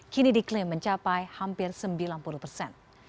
kini diklaim mencapai hampir sembilan puluh persen